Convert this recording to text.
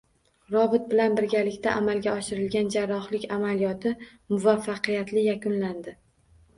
Robot bilan birgalikda amalga oshirilgan jarrohlik amaliyoti muvaffaqiyatli yakunlandi.